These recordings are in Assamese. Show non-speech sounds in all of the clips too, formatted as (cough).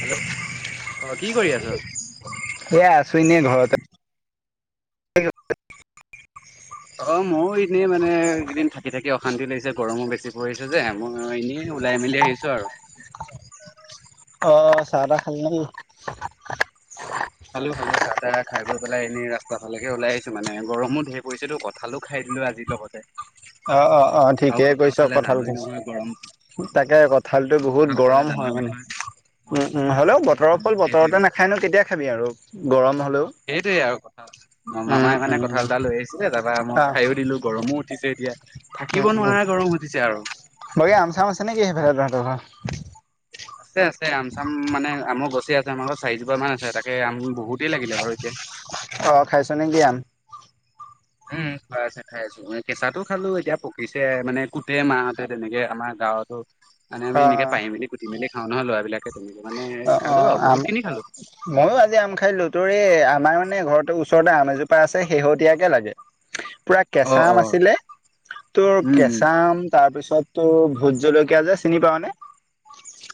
হেল্ল' অ', কি কৰি আছ? এয়া আছোৱ ন ঘৰতে। অ' ময়ো এনেই মানে কেইদিন থাকি থাকি অশান্তি লাগিছে গৰমো বেছি পৰিছে যে, মোৰ এনেই ওলাই মেলি আহিছো আৰু। অ', চাহতাহ খাল নে কি? খালো খালো চাহ তাহ খাই বৈ পেলাই এনেই ৰাস্তা ফালেওলাই আহিছো মানে, গৰমও ধেই পৰিছেতো, কঁঠালো খাই কিন্তু (unintelligible) আজিৰ লগতে অ'-অ'-অ', আৰু ঠিকেই কৈছ খালে কঁঠাল জানই খাইছ, নহয় গৰম তাকে কঁঠালতটো বহুত গৰম জানাও নহয় (unintelligible) উম-উম, হ'লেও বতৰৰ ফল সেইটোৱে বতৰতে নাখায় নু, কেতিয়া খাবি আৰু গৰম হ সেইটোৱেই আৰু কথা। অ', মামাই মানে উম কথালতা লৈ আহিছিলে, তাৰপা মই খায়ো দিলো, গৰমো উঠিছে এতিয়া। থাকিব উম-উম, নোৱাৰা গৰম উঠিছে আৰু। বাকি আম চাম আছে নে কি সেইফাল তহতৰ ঘৰ? আছে আছে, আম চাম মানে আমৰ গছে আছে, আমাৰ চাৰিজোপা মান আছে, তাকে আম বহুতেই লাগিলে বাৰু এতিয়া। অ' খাইছ নে কি আম? উম খাই আছে, খাই আছো, কেঁচাতো খালো, এতিয়া পকিছে, মানে কুট মাহতে তেনেকে আমাৰ গাৱতো, মানে আমি অ অ এনেকে পাৰ মেলি, গুটি মেল খাও নহয় ল'ৰাবিলাকে তেনে অ'-অ' আম, ময়ো আজি আম খাই দিলো, তোৰে এ আমাৰ মানে ঘৰত ওচৰতে আম এজোপা আছে, শেহতীয়াকে লাগে পুৰা অ কেঁচা আম অ আছিলে, তোৰ উম উম কেঁচা আম, তাৰপিছত তটো, ভোজ জলকীয়া যে, চিনি পাাৱ নে?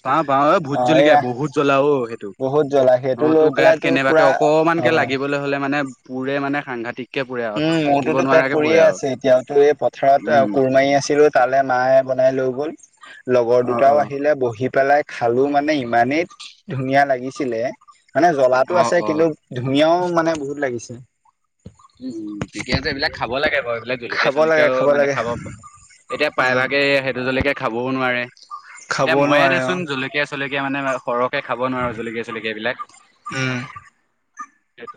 পা পাওঁ, এ ভোত জলকীয়া বহুত জলাও সেইটো, বহুত জ্বলা সেইটো অ' লৈ তোৰ গাত পেলাই কেনেবাকে পুৰা অ অকমানকে লাগিবলৈ হলে মানে পুৰে মানে সাংঘাটতিক। উম মোৰতোতো পেট পৰিয়ে আছে এতিয়াও‌, তোৰ, এই পথাৰত উম কোৰমাৰি আছিলো তালে মায়ে বনাই লৈ গল, লগৰ অ অ। দুটাও আহিলে বহি পেলাই খালো মানে, ইমানেই ধুনীয়া লাগিছিলে মানে অ জ্বলাো আছে অ কিন্তু ধুনীয়াও মানে বহুত লাগিছে। উম, ঠিকয়া যে এইবিলাক খাব লাগে বাৰু এইবিলাক জলকীয়া খাব লাগে চলকীয়াও মানে লাগে খাব এতিয়া উম প্ৰায়ভাগে সেইটো জ্বলেকে খাবও নোৱাৰে। খাব এতিয়া ময়ে নোৱাৰে অ নচোন জলকীয়া চলকীয়া মানে সৰহ খাব নোৱাৰো জলকীয়া চলকীয়া এইবিলাক উম সেই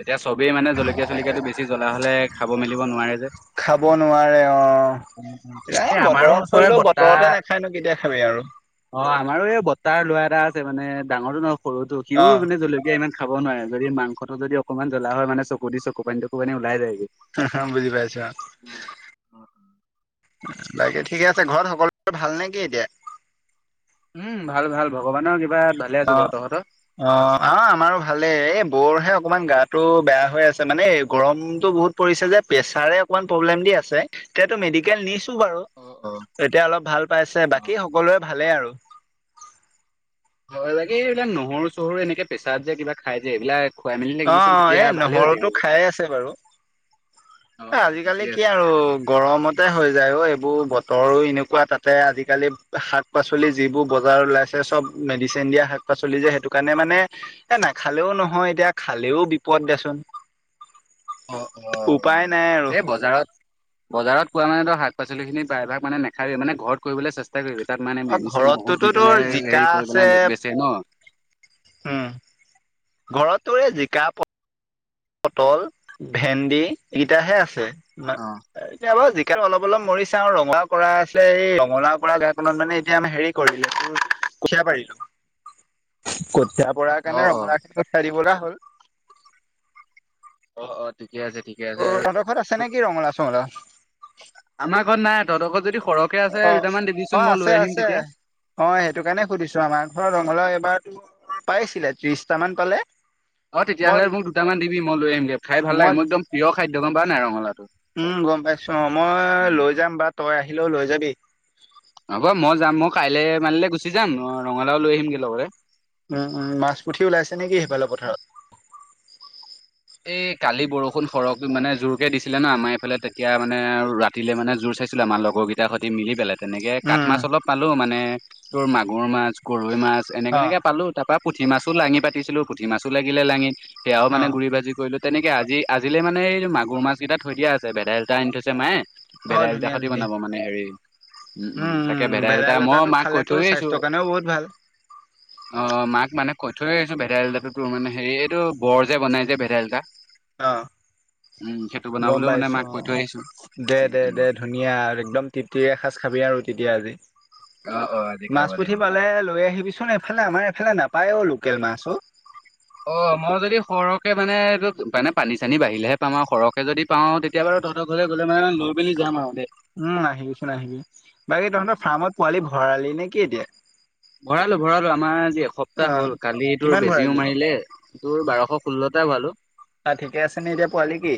এতিয়া চবেই মানে জলকীয়া চলকীয়াতটো বেছি জ্বলা হ'লে খাব মেলিব নোৱাৰে যে। খাব নোৱাৰে অ, এ আমাৰো বতৰৰ ওচৰৰে ফুলটো বৰ্তা বতৰতে নাখায় নো কেতিয়া খাবি আৰু। অ, আমাৰো এই বতাৰ লৰা এটা আছে মানে ডাঙৰটো নহ সৰুটো অ সিও মানে জলকীয়া ইমান খাব নোৱাৰাৰে যদিাংসটো যদি অকমান জ্বলা হয় মানে চকু দি চকু পানীটকু পানী ওলাই যায়। বুজি পাইছা। বাকি ঠিকে আছে ঘৰত সকলোে ভাল নে কি এতিয়া। উম, ভাল ভাল ভগৱানৰ কৃপা অ - অ - অ আমাৰো ভালেই এই বৰহে অকণমান গাটো বেয়া হৈ আছে মানে এই গৰমতটো বহুত পৰিছে যে প্ৰেছাৰে অকণমান প্ৰব্লেম দি আছে সেইটো মেডিকেল নিছো। বাৰু অ অ। এতিয়া অলপ ভাল পাইছে অ বাকী সকলো ভালেই আৰু। হয় লে এইবিলাক নহৰু চহৰু এনেকে পেছাদ যে কিবা খাই যে এইবিলাক খুৱাই মেলি অ থাকিবিচোন - তেতিয়া অ, ভালে হৈ নহৰু থাকিব। তেও খাই আছে বাৰু। এ, অ', অ', ঠিকে আজিকালি কি আছে আৰু ঠিকে আছে গৰমতে হয়। যায় অ, এইবোৰ বতৰো এনেকুৱা। তাতে আজিকালি শাক-পাচলি যিবোৰ বজাৰ ওলাইছে চব মেডিচিন দিয়া শাক পাচলি যে, সেইটো কাৰণে মানে এ নাখালেও নহয় এতিয়া। খালেও বিপদ দিয়াচোন। অ', অ'। উপায় নাই আৰু। এই বজাৰত বজাৰত পোৱা মানে ধৰ শাক পাচলি খিনি প্ৰায়ভাগ মানে নেখাবি মানে ঘৰত কৰিবলৈ চেষ্টা কৰিবি। তাত মানে অ মেডিচিন বহুত ঘৰতটোতো দি তোৰ পেলাই, জিকা হেৰি কৰি আছে পেলাই বেচে ন? উম, ঘৰতটো এ জিকা পটল, ভেন্দি এইকেইটাহে আছে অ', এতিয়া। অলপ - অলপ মৰি সাং ৰহ পৰা আছেই কমলা পৰা গাঢ়িখন আমি এতিয়া হেৰি কৰিলো কঠীয়া পাৰিলো। কঠীয়া পৰাৰ কাৰণে অ', অ', ৰঙলাও দিবলৈ হ'ল। অ- অ ঠিক ঠিকে আছে - ঠিকে আছে তোৰ আৰু তহঁতৰ ঘৰত আছে নেকি ৰঙালাও চঙলাও? আমাৰ ঘৰত নাই। তহতৰ ঘৰত যদি সৰহকে আছে দুটামান দিবিচোন অ-অ, মই লৈ আহিম আছে-আছে। তেতিয়া। অ, সেইটো কাৰণে সুধিছো আমাৰ ঘৰ ৰঙলাও এইবাৰ পাইছিলে, ত্ৰিশটা মান পালে। অ, মই তেতিয়াহ'লে মোক দুটামান দিবি। মই লৈ আহমগৈ। খাই ভাল লাগে মই মোক। একদম প্ৰিয় খাদ্য, গম পোৱা নাই, ৰঙালাও। উম, গম পাইছো অ, মই লৈ যাম বা তই আহিলেও লৈ যাবি। হ'ব, মই যাম। মই কাইলে মানলে গুচি যাম। ৰঙালাও লৈ আহিমগে লগতে। উম-উম, মাছ পুঠি ওলাইছে নেকি সেইফালৰ পথাৰত? এই কালি বৰষুণ সৰহকৈ, মানে জোৰকে দিছিলে ন আমাৰ এইফালে। তেতিয়া মানে ৰাতিলে, মানে জোৰ চাই ছিলে আমাৰ লগৰ কেইটাৰ সৈ মিলি পেলাই। তেনেকে কাঠ মাছ উম অলপ পালো, মানে তোৰ মাগুৰ মাছ, গৰৈ মাছ, এনেকে অ এনেকে পালো তাৰপা পুঠি মাছো লাঙি পাতিছিলো। পুঠি মাছো লাগিলে লাঙিত, সেয়াও অ মানে গুৰি ভাজি তেনেকে আজি আজিলে, মানে এই মাগুৰ মাছ কেইটা থৈ দিয়া আছে। ভেদাইলতা আনি থৈছে মায়ে। অ ভেদাইলতাৰে ধুনীয়া সৈতে ধুনীয়া বনাব মানে হেৰি। উম-উম উম তাকে উম ভেদাইলতাই মই ভেদাইলতাটো মাক কৈ খালেতো থৈ আহিছো। স্বাস্থ্যৰ কাৰণেও বহুত ভাল অ, মাক মানে কৈ থৈ আহিছো, ভেদাইলতাও তোৰ মানে হেৰি এইটো বৰ যে বনাই যে ভেদাইলতা। অ', উম সেইটো গম বনাবলৈও মানে পাইছো। মাক অ, কৈ থৈ আহিছো। উম উম। দে-দে-দে ধুনীয়া আৰু একদম তৃপ্তিৰে এসাজ। খাবি, আৰু তেতিয়া আজি অ অ আজি খাব মাছ পুঠি লাগিব। পালে লৈ আহিবি চোন। এফালে আমাৰ, এফালে নাপ পায় অ, লোকেল মাছ অ, অ, মই যদি সৰহকে মানে এইটো মানে পানী চানী বাঢ়িলেহে পাম আৰু সৰহকে যদি পাও তেতিয়া বাৰু তহতৰ ঘৰলে গ'লে মানে, লৈ মেলি যাম আৰু। দেই। উম, আহিবিচোন আহিবি। বাকী তহতৰ ফাৰ্মত পোৱালি ভৰালি নে কি এতিয়া? ভৰালো-ভৰালো, আমাৰ আজি অ এসপ্তাহ হ'ল। কালি তোৰ কিমান বেজিও ভৰালি মাৰিলে। তোৰ বাৰশ ষোল্লটা পালোঁ। অ ঠিকে আছে নে এতিয়া পোৱালি কি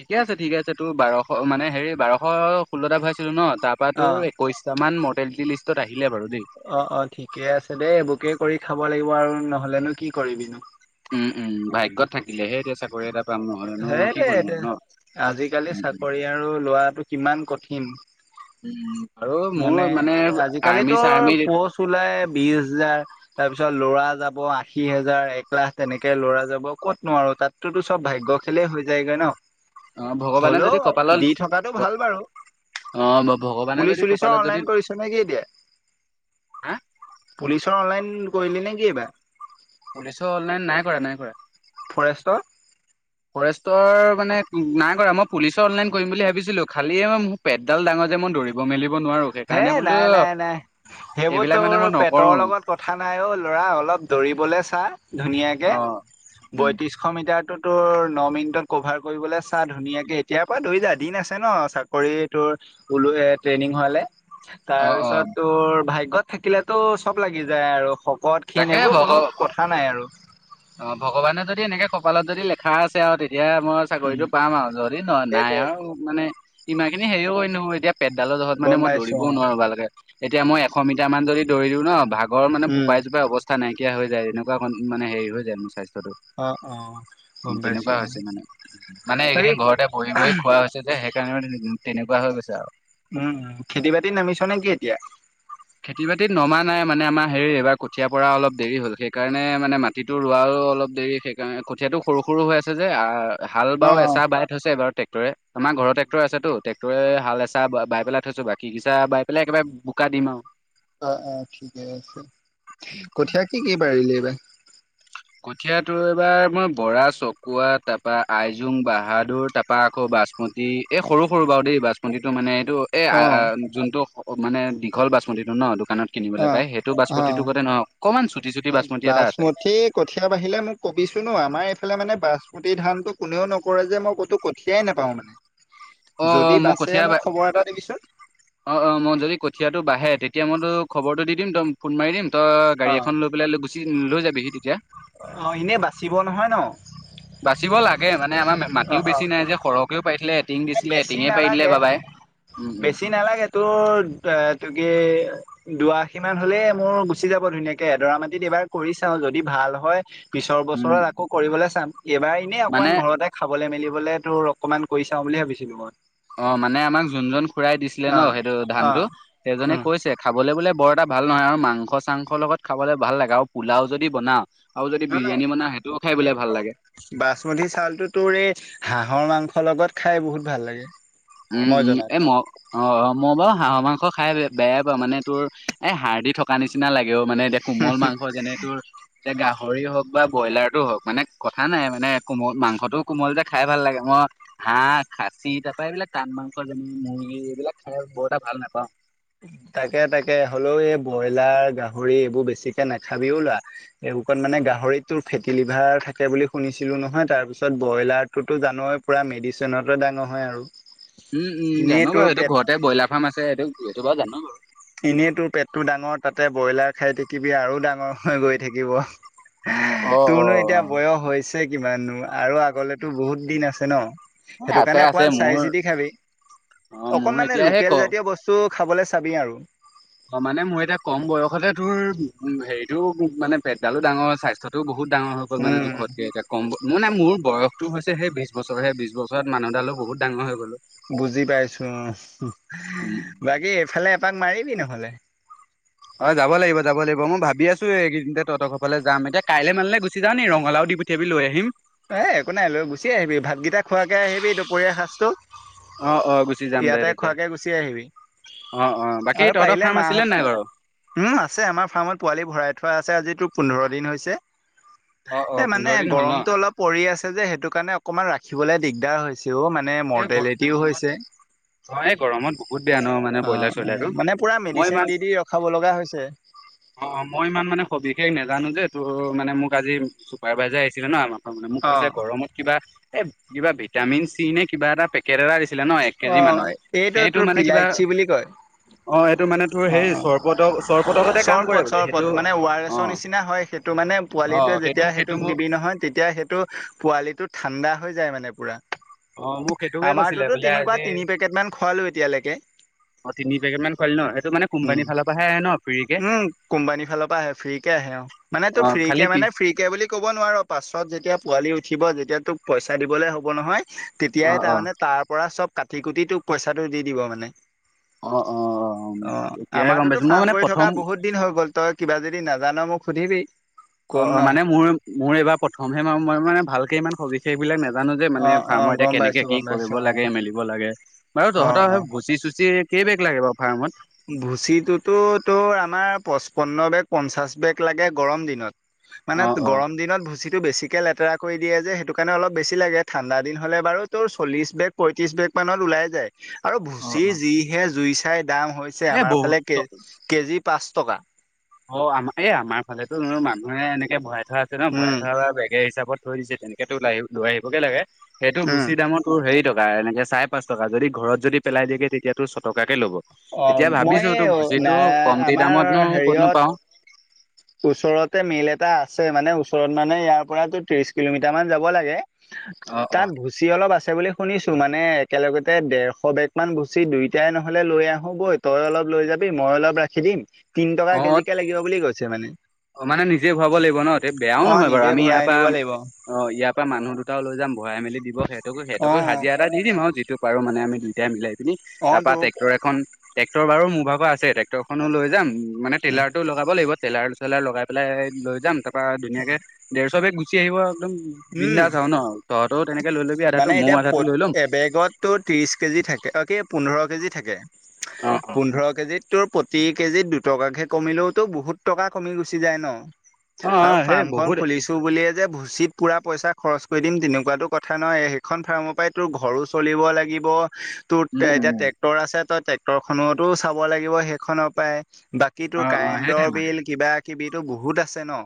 ঠিকে আছে, ঠিকে আছে, তোৰ বাৰশ, মানে, হেৰি, বাৰশ। এশ ষোল্লটা ভৰাইছিলোঁ ন? তাৰ পৰা অ তোৰ একৈশটা মান মৰ্টেলিটি লিষ্টত আহিলে বাৰু দেই। অ', ঠিকে আছে দেই, এইবোৰকে কৰি খাব লাগিব, আৰু নহ'লেনো কি কৰিবি নো? উম উম, ভাগ্যত থাকিলেহে এতিয়া চাকৰি এটা পাম। নহ'লে নো, কি কৰিম সেইটোৱে আৰু ন? আজিকালি উম উম চাকৰি আৰু লোৱাটো কিমান কঠিন। উম! মানে, আজিকালিটো চাৰ্মি পোষ্ট ওলাই বিশ হাজাৰ। তাৰ পিছত লৰা যাব আশী হাজাৰ, এক লাখ তেনেকে লৰা যাব। ক'ত নো আৰু, তাততো চব ভাগ্য। শীলে হৈ যায়গৈ ন। অ ভগৱানে হ'লেও যদি কপালত দি থকাটো ভাল বাৰু, অ ভগৱানে যদি পুলিচ-চুলিচ। কপালত যদি প্লেন কৰিছ নেকি এতিয়া। হা পুলিছৰ অনলাইন কৰিলি নে কি এইবাৰ? পুলিছৰ অনলাইন নাই কৰা, নাই কৰা। ফৰেষ্টৰ? ফৰেষ্টৰ মানে নাই কৰা মই পুলিচৰ অনলাইন কৰিম বুলি ভাবিছিলো খালি মোৰ পেটডাল ডাঙৰ যে মই দৌৰিব মেলিব নোৱাৰো সেইকাৰণে হেই বোলো নাই, নাই, নাই। সেইবোৰ এইবিলাক মানে তোৰ মই পেটৰ নকৰো লগত কথা নাই অ' ল'ৰা অলপ দৌৰিবলে চা ধুনীয়াকে। অ উম, বয়ত্ৰিশ মিটাৰটোত তোৰ ন মিনিটত কভাৰ কৰিবলৈ চা ধুনীয়াকে এতিয়া পৰা দৌৰি যা দিন আছে ন চাকৰি তোৰ বোলো এই ট্ৰেইনিং হোৱালে। অ অ তাৰপিছত তোৰ ভাগ্যত থাকিলেতো চব লাগি যায় আৰু। শকত ক্ষীণ তাকে এইবোৰ ভগ কোনো কথা নাই আৰু অ, ভগৱানে যদি এনেকে ক কপালত যদি লেখা আছে আৰু তেতিয়া মই উম চাকৰিতটো পাম আৰু যদি ন নাই সেইটোৱে আৰু মানে ইমান খিনি হেৰিও কৰিলো নহয় এতিয়া পেটডালৰ জহত মানে গম মই পাইছো দৌৰিবও অ নোৱাৰো ভালকে। এতিয়া মই এশ মিটাৰ মান যদি দৌৰিলো ন ভাগৰ মানে উম ফোপাই জোপাই অৱস্থা নাই। কিয়া হৈ যায় এনেকুৱা মানে হেৰি হৈ যায় মোৰ স্বাস্থ্যটো। অ অ গম উম পাইছো তেনেকুৱা অ, হৈছে মানে, মানে বাকী এইকেদিন ঘৰতে বহি বহি খোৱা হৈছে যে সেইকাৰণে। তেনেকুৱা হৈ গৈছে আৰু। উম, খেতি বাতিত নামিছ নেকি এতিয়া। খেতি বাতিত নমা নাই মানে আমাৰ হেৰি এইবাৰ কঠিয়া পৰা অলপ দেৰি হ'ল সেইকাৰণে মানে মাটিটো ৰোৱাও অলপ দেৰি সেইকাৰণে কঠিয়াটো সৰু সৰু হৈ আছে যে আৰু হাল অ বাৰু এচা বাই থৈছে এইবাৰ ট্ৰেক্টৰে। আমাৰ ঘৰত ট্ৰেক্টৰ আছেটো ট্ৰেক্টৰে হাল এচা বাই পেলাই থৈছো বাকী গিছা বাই পেলাই একেবাৰে বোকা দিম আৰু। অ, অ, ঠিকে আছে। কঠিয়া কি কি পাৰিলি এইবাৰ। কঠিয়া তোৰ এইবাৰ মই বৰা, চকুৱা, তাৰপা আইজোং, বাহাদুৰ তাৰপা আকৌ বাচপতি, এই সৰু সৰু বাৰু দেই বাচপতিটো মানে এইটো অ এই যোনটো মানে দীঘল বাচমতিটো ন। দোকানত অ কিনিবলৈ পায়। সেইটো অ বাচমতিটো গতে নহয় অকণমান চুটি চুটি বাচমতি এটা আছে। কঠীয়া বাঢ়িলে মোক কবিচোন অ আমাৰ এইফালে মানে বাচমতি ধানতটো কোনেও নকৰে যে মই ক'তো কঠিয়াই নাপা পাওঁ মানে। অ, অ, যদি মই বাচে কঠীয়া মোক খবৰ এটা দিবিচোন। অ, অ, মই যদি কঠিয়াটো বাঢ়ে তেতিয়া তেতিয়া মই তোক খবৰটো দি দিম তই ফোন মাৰি দিম তই গাড়ী অ এখন লৈ পেলাই গুচি লৈ যাবিহি তেতিয়া। অ, এনে বাচিব নহয় ন। বাচিব লাগে মানে আমাৰ অ মাটিও অ বেছি নাই যে সৰহকেও পাইছিলে। এটিং মানে দিছিলে বেছি এটিঙে পাৰি দিলে নালাগে। বাবাই। উম উম বেছি নালাগে তোৰ এটো কি। দুআশী মান হলেই মোৰ গুচি যাব ধুনীয়াকে এদৰা মাটিত এইবাৰ কৰি চাও যদি ভাল হয়। পিছৰ উম বছৰত আকৌ কৰিবলৈ চাম, এইবাৰ এনেই মানে অকনমান ঘৰতে খাবলৈ মেলিবলৈ তোৰ অকনমান কৰি চাম। চাওঁ বুলি ভাবিছিলো মই। অ মানে, আমাক যোনজন খুৰাই দিছিলে অ ন সেইটো অ ধানতটো সেইজনে উম কৈছে খাবলে বোলে বৰ টা ভাল নহয়। আৰু মাংস চাংসৰ লগত খাবলে ভাল লাগে। আৰু পোলাও যদি বনাও আৰু যদি নহ নহ বিৰিয়ানী বনাও সেইটোও খাই বোলে ভাল সেইটো লাগে বাচমতী চাউলটো তোৰ এই হাঁহ হাঁহৰ মাংসৰ লগত খাই বহুত ভাল লাগে। উম, মই উম, জনাত। এম অ মই বাৰু হাঁহৰ মাংস খাই বেয়াই পাওঁ মানে তোৰ এই হাৰডি থকা নিচিনা লাগে। ক মানে এতিয়া কোমল মাংস যেনে তোৰ এতিয়া গা গাহৰি হওক বা ব্ৰইলাৰটো হওক মানে কথা নাই মানে কোমল মাংসটোও কোমল যে খাই ভাল লাগে মই হা খাচী তাৰ পৰাৰা এইবিলাক টান মাংস যেন মুৰ্গী এইবিলাক খাই বৰ এটা ভাল নাপাওঁ। তাকে তাকে হ'লেও এই ব্ৰইলাৰ গাহৰি এইবোৰ বেছিকে নাখাবিও লোৱা এই মানে গাহৰিতো ফেটি লিভাৰ থাকে বুলি শুনিছিলো নহয় তাৰপিছত ব্ৰইলাৰতো জান এ মেডিচিননত ডাঙৰ হয় আৰু উম, উম এনেই জানো তোৰ বাৰু সেইটো পেট ঘৰতে ব্ৰইলাৰ ফাৰ্ম আছে সটো সেইটো বাৰু জানো বাৰু এনেই তোৰ পেটটো ডাঙৰ তাতে ব্ৰইলাৰ খাই থাকিবি আৰু ডাঙৰ হৈ গৈ থাকিব। অ', তোৰনো অ', এতিয়া বয়স হৈছে কিমাননো আৰু আগলেতো বহুত দিন আছে ন। অ'। এ সেইটো আছে কাৰণে আছে অকমান মোৰ চাই চিতি খাবি। অ', মোৰ অকনমানানে এতিয়া সেই ক লোকেল জাতীয় বস্তু খাবলৈ চাবি আৰু। অ 'মানে মোৰ এতিয়া কম বয়সতে তোৰ হেৰিতও মানে পেটডালো ডাঙৰ স্বাস্থ্যতটোও বহুত। ডাঙৰসকল মানে উম, জোখতকে এতিয়া কম মানে মোৰ বয়সটো হৈছে সেই বিশছ বছৰ সেই বিছ বছৰত মানুহডালো বহুত ডাঙৰ হৈ গ'লো বুজি পাইছো উম বাকী এইফালে এপাক মাৰিবি নহ'লে। অ 'যাব লাগিব যাব লাগিব। মই ভাবি আছো এইকেইদিনতে তহতসফালে যাম এতিয়া কাইলৈ মানে গুচি যা নি ৰঙালাও দি পঠিয়াবি লৈ আহিম। এ একো নাই লৈ গুচি আহিবি ভাতকেইটা খোৱাকে আহিবি দুপৰীয়াাৰ সাঁজটো। অ অ গুচি যাম দে ইয়াতে তেতিয়া। খোৱাকে গুচি আহিবি। অ অ বাকী আৰু তহঁতৰ পাৰিলে ফাৰ্ম আছিলে মাহত নাই বাৰু? উম আছে আমাৰ ফাৰ্মত পোৱালি ভৰাইত থোৱা আছে আজিতো পোন্ধৰ দিন হৈছে অ অ এই মানে পোন্ধৰ দিন হ'ল ন গৰমটোটো অলপ পৰি আছে যে সেইটো কাৰণে অকমান ৰাখিবলৈ দিগদাৰ হৈছে। সও মানে এই গ মৰ্টেলিটিও গৰমত হৈছে। অ এই গৰমত বহুত বেয়া ন মানে অ ব্ৰইলাৰ 'অ চইলাৰটো 'মানে পুৰা মই ইমান মেডিচিন দি দি ৰখাব লগা হৈছে অ, অ, মই ইমান মানে সবিশেষ নাজানো যে তোৰ মানে মোক আজি চুপাৰভাইজাৰ আহিছিলে ন আমাক মোক কৈছে অ', গৰমত কিবা এ কিবা ভিটামিন চি নে কিবা এটা পেকেত এটা ছিলে ন এক কেজি অ' মানৰ এইটো সেইটো তোৰ মানে কিবা পিলাইচি বুলি কয়। অ এইটো মানে তোৰ সেই চৰবত চৰবততে কাম কৰে পথ বোলে সেইটো চৰ মানে অ ৱাৰছৰ নিচিনা হয় সেইটো মানে অ পোৱালিটোৱে সেইটো যেতিয়া সেইটো সেইটোক মোক দিবি নহয় তেতিয়া সেইটো পোৱালিটো ঠাণ্ডা হৈ যায় মানে পুৰা। অ 'মোক সেইটোকে কৈছিলে বোলে। ককা আজি তিনি পেকেটমান খোৱালোঁ এতিয়ালৈকে। অ তিনি পেকেট মান খোৱালি ন সেইটো মানে উম, কোম্পানীৰ ফালৰ পৰাহে আহে ন ফ্ৰীকে উম কোম্পানীৰ ফালৰ পৰা আহে ফ্ৰী কে আহে মানে অ তোৰ ফ্ৰী কে খালি মানে পিছ ফ্ৰী কে বুলি ক'ব নোৱাৰো পাছত যেতিয়া পোৱালি উঠিবয়া এতিয়া তোক পইচা দিবলে হ'ব নহয় অ তেতিয়াই তাৰ অ মমানে তাৰ পৰা চব কাটি কুটি তোক পইচাটো দি দিব মানে। অ 'অ' অ এতিয়াহে গম আমাৰোতো পাইছো মই ফাৰ্ম মানে কৰি প্ৰথম থকা বহুত দিন হৈ গ'ল। তই কিবা যদি নাজান মোক সুধিবি অ, কম অ ন মানে মোৰ মোৰ এইবাৰ প্ৰথমহে মই মানে ভালকে ইমান সবিচে এইবিলাক নো জানো যে মানে অ অ ফাৰ্মৰ এতিয়া গম কেনেকে পাইছো কি গম কৰিব পাইছো অ লাগে মেলিব লাগে। বাৰু অ', তহঁতৰ অ', ভুচি চুচি কেই বেগ লাগে বাৰু। ফাৰ্মত ভুচিটোতো তোৰ আমাৰ পচপন্ন বেগ পঞ্চাশ বেগ লাগে গৰম দিনত মানে অ অ গৰম দিনত ভুচি বেছিক লেতেৰা কৰি দে যে সেইটো কাৰণে অলপ বেছি লাগে ঠাণ্ডা দ হ'লে বাৰু ত চলিছ বেগ পয়ত্ৰিছ বেগ। মানত ওলাই যায়। আৰু অ ভুচি অ যিহে জুই চাই দাম হৈছে এ আমাৰ ফালে কে বহুত কেজি পাচ টকা। অ, আম এই আমাৰ ফালেতো নো মানুহে এনেকে ভৰাই থোৱা আছে ন ভৰাই উম, থোৱা বেগে হিচাপত থৈ দিছে তেনেকেতোওল লৈ আহিবগে লাগে সেইটো উম। গুচি দামৰ তোৰ হেৰি দ এনেকে চাৰে পাচ টকা যদি ঘৰত যদি পেলাই দিয়েতিয়াো ছটকাকে ল'ব। অ', এতিয়া মই ভাবিছো তোৰ এই না ভুজিটো কমতি আমাৰ দামতনো ক'তনো হেৰিয়ত পাওঁ ওচৰতে মেইল এটা আছে মানে ওচৰত মানে ইয়াৰ পৰাতো ত্ৰিশ কিলোমিটাৰ মান যাব লাগে। অ তাত ভুচি অলপ আছে বুলি। শুনিছো মানে একেলগতে দেেৰশ বেগ মান ভুচি দুইটাই নহলে লৈ আহো বৈ তই অলপ লৈ য মই অলপ ৰাখি দিম তিনি টকা অ অ কেজিকে লাগিব বুলি কৈছে মানে অ, মানে নিজে ভৰাব লাগিব ন এ বেয়াও অ নহয় বাৰু নিজে আমি ভৰাই ইয়াৰ পা আনিব লাগিব অ, ইয়াৰ পৰা মানুহ দুটাও লৈ যাম ভৰাই মেলি দিব সেইকো অ সেইটকো হাজি এটা দিম আৰু যিটো পাৰো মানে আম দুটাই মিলাই দিম অ তাৰপা তো ট্ৰেক্টৰ এখন ট্ৰেক্টৰ বাৰু মোৰ ভাব আছে ট্ৰেক্টৰখনো লৈ যাম। মানে টেইলাৰ টো লগাব লাগিব টেইলাৰ চলাৰ লগাই পেলাই লৈ যাম তাৰ পৰা ধুনাকে ডেৰ চোশ বেগ আহিব একদম উম বিন্দাছ আৰু ন। তেনেকে লৈ ল'বি আধাটো মানে ময়ো এতিয়া আধাটো লৈ ল'ম এবেগতো ত্ৰিশ কেজি থাকে আৰু কি পোন্ধৰ কেজি থাকে। অ অ পোন্ধৰ কেজিত তোৰ প্ৰতি কেজিত দুটকাকে কমিলেওতো বহুত টকা কমি গুচি যায় ন। অ অ আৰু সেই ফাৰ্ম খন বহুত খুলিছো বুলিয়ে যে ভুচিত পুৰা পইচা খৰচ কৰি দিম তেনেকুৱাতো কথা কথা নয় সেইখন ফাৰ্মৰ পৰাই তোৰ ঘৰো চলিব লাগিব তোৰ উম এতিয়া উম ট্ৰেক্টৰ আছে। ট্ৰেক্টৰ খতো চাব লাগিব সেইখনৰ পৰাই বাকী অ অ কাৰেন্টৰ সেইটোৱে বিল কিবা কিবিতটো বহুত আছে ন।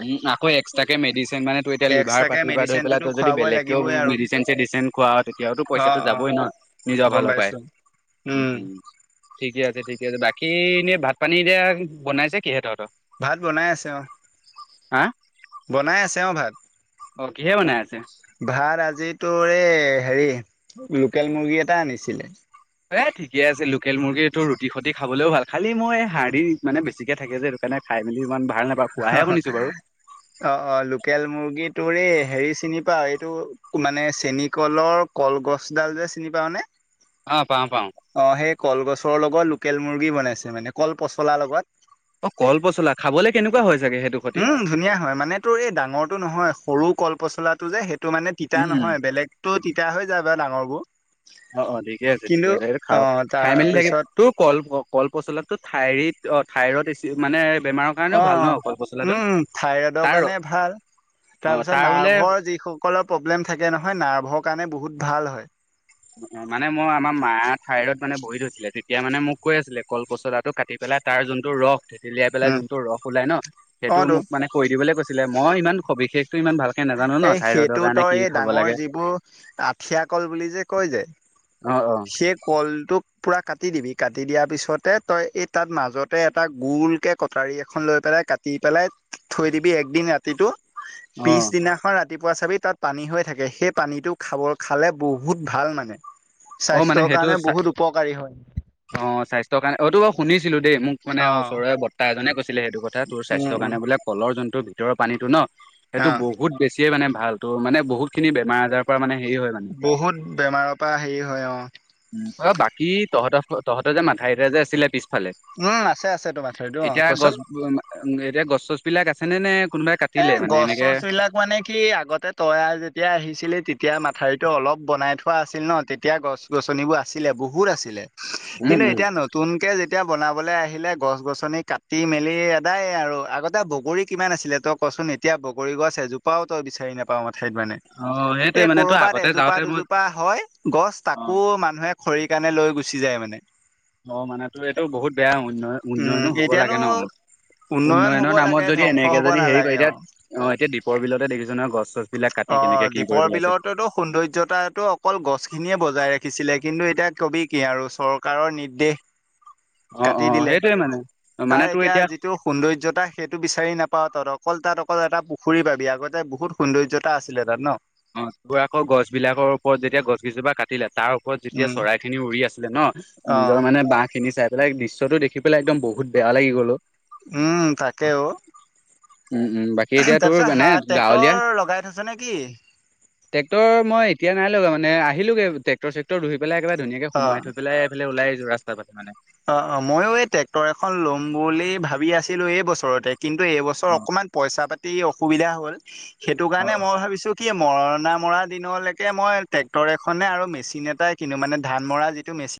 উম, আকৌ এক্সট্ৰাকে মেডিচিন মানে তোৰ এতিয়া লিভাৰ এক্সট্ৰাকে পাতি বাধ হোয় পেলাই মেডিচিনটোতো ত যদি খুৱাবই বেলেগকেও লাগিবই আৰু মেডিচিন চেডিচিন খোৱা তেতিয়াওটো অ পইচাটো অ যাবই ন নিজৰ গম ভালৰ পৰাই। পাইছো উম - উম ঠিকে আছে - ঠিকে আছে বাকী এনেই ভাত পানী এতিয়া বনাইছে কিহে তহতৰ। ভাত বনাই আছে অ, হাহ। বনাই আছে অ, ভাত। অ, কিহে বনাই আছে। ভাত আজিতো এই হেৰি লোকেল মুৰ্গী এটা আনিছিলে। এ ঠিকে আছে লোকেল মুৰ্গীটো ৰুটি সতি খাবলৈও ভালী মই হাড়ি মানে বেছিকৈ থাকে যে সেই কাৰণে খাই মেলি ইমান ভাল নাপাওঁ খোৱাহে অ শুনিছো বাৰু। - অ - অ লোকেল মুৰ্গীত তোৰৰে হেৰি চিনি পাও এইটো মানে চেনী কলৰ কলগছডাল যে চিনি পাও নে। অ, পাও- পাও। কলগছৰ লগত লোকেল মুৰ্গী বনাইছে মানে কল পচলাৰ লগত। অ, কল পচলা খাবলে কেনেকুৱা হৈ হৈছে। উম, ধুনীয়া হয় মানে তোৰ এই ডাঙৰটো নহয় সৰু কল পচলাটো যে সেই টো মানে তিতা উম, নহয় বেলেগটো তিতা হৈ যায় বাৰু ডাঙৰ বোৰ অ - অ ঠিকে আছে ঠিকে আছে এইটো খা খাই মেলি থাকিম তাৰপিছত তোৰ কল - কল পচলা তো ঠাইৰিত অ, ঠাইৰত এছি মানে বেমাৰৰ অ, কাৰণেও ভাল ন কল পচলাটো উম, থাইৰইডৰ তাৰ কাৰণে ভাল। অ তাৰপিছত তাৰ বোলে নাৰ্ভৰ যিসকলৰ প্ৰব্লেম থাকে নহয় নাৰ্ভৰ কাৰণে বহুত ভাল হয়। অ, মানে মই আমাৰ মা ঠাইত মানে বহি থৈছিলে তেতিয়া মানে মোক কৈ আছিলে কল পচলাটো কাটি পেল তাৰ যোনটো ৰস থেতিলিয়াই পেলাই উম যোনতটো ৰস ওলাই ন অ সেইটো তো মোক মানে কৈ দিবলৈ কৈছিলে মই ইমান সবিশেষ এই সেইটো তই এই খাব ডাঙৰ লাগে যিবোৰ আঠিয়া কল বুলি যে কয় যে অ অ সেই কলটোক পুৰা কাটি দিবি কাটি দিয়াৰ পিছতে তই এই তাত মাজতে এটা গোল কে কটাৰী এখন লৈ পেলাই কাটি পেলাই থৈ দিবি একদিন ৰাতিটো অ পিছদিনাখন ৰাতিপুৱা চাবি তাত পানী হৈ থাকে সেই পানীটো খালে বহুত ভাল মানে। অ', মানে স্বাস্থ্যৰ সেইটো কাৰণে বহুত উপকাৰী হয় অ', স্বাস্থ্যৰ কাৰণে অটো শুনিছিলো দেই মোক মানে অ ওচৰৰে বতা এজনে কৈছিলে সেইটো কথা তোৰ উম স্বাস্থ্যৰ উম কাৰণে বোলে কলৰ যোনটো টোৰ ভিতৰৰ পানীটো ন সেইটো অ বহুত বেছিয়ে মানে ভাল তো মানে বহুত খিনি বেমাৰ আজাৰৰ পৰা মানে হেৰি হয় মানে বহুত বেমাৰৰ পৰা হেৰি হয় অ'। অ', বাকী তহঁতৰ তহতে যে মাথাউৰিতটো যে আছিলে পিছ ফালে উম আছে আছে তোমাৰ মাথাউৰিটো অ এতিয়া কচোন গছ এতিয়া গছ চছ বিলাক আছে নে নায় এ গছ চছ বিলাক মানে কি আগতে তয়াৰ যেতিয়া আহিছিলে তেতিয়া এতিয়া মাথাউৰিতটো অলপ বনাই থোৱা আছিল ন তেতিয়া গছ গছনিবোৰ আছিলে বহুত আছিলে। উম কিন্তু উম এতিয়া নতুনকে যেতিয়া এতিয়া বনাবলৈ আহিলে গছ গছনি কাটি মেলি এদায় আৰু আগতে বগৰী কিমান আছিলে তোক কচোন এতিয়া বগীছ এজোপাওই বিচাৰি নাপাও মানে ঠাইত মানে অ সেইটোৱে এই মানে তো কৰবাত আগতে এজোপা যাওঁতে মই দুজোপা হয় গছ অ তাকো মানুহে খৰি কাৰণে লৈ গুচি যায় মানে অ মানে তোৰ এইটো বহুত বেয়া উন্নয়ন উম উন্নয়নো হ'ব এতিয়ানো লাগে ন। উন্নয়ন হব উন্নয়নৰ নামত লাগে যদি ধ্বংস এনেকে হব যদি হেৰি নালাগে অ কৰিদিও এতিয়া দ্বীপৰ বিলতে দেখিছ অ', দ্বীপৰ বিলতো সৌন্দৰ্যতাটো অকল গছ খিনিয়ে বজাই ৰাখি (unintelligible) কিন্তু এতিয়া কবি কি আৰু চৰকাৰৰ নিৰ্দেশ অ অ কাটি দিলে সেইটোয়ে মানে মানে তাৰ তোৰ এতিয়া যিটো সৌন্দ্যতা সেইটো বিচাৰি নাপ পা তাত অকল তাত অকল এটা পুখুৰী পাবি আগতে বহুত সৌন্দ্যতা আছিলে তাত ন। অ, তোৰ আকৌ গছ বিলাকৰ ওপৰত যেতিয়া গছ গিজোপা কাটিলে তাৰ ওপৰত যেতিয়া উম, চৰাই খিনি উৰি আছে ন নিজৰ অ', মানে বাহ খিনি চাই পেলাই দৃশ্যতটো দেখি পেলাই একদম বহুত বেয়া লাগি গল ও। উম তাকেও। উম উম বাকী এতিয়া তোৰ তাৰপিছত মানে হা গাঁৱলীয়া ট্ৰেক্টৰ লগাই থৈছে নেকি? ট্ৰেক্টৰ মই এতিয়া নাই লগা মানে আহিলোগে ট্ৰেক্টৰ চেক্টৰ ধুয়। পেলে একেবাৰে ধুনিয়াকে অ'। সোমাই থৈই পেলায় এইফালে ডলাই আহিছো অ', অ' ময়ো এই ট্ৰেক্টৰ এখন লম বুলি ভাবি আছিলো এই বছৰতে। কিন্তু এইবছৰ অ অকণমান পইচা পাতি অসুবিধা হ'ল সেইটো অ কাৰণে অ মই ভাবিছো মৰণা মৰা দিনলৈকে মই ট্ৰেক্টৰ এখনে আৰু মেচিন এটাই কিনো মানে ধান মৰা যিটো মেচিন